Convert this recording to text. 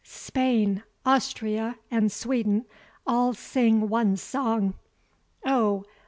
Spain, Austria, and Sweden, all sing one song. Oh!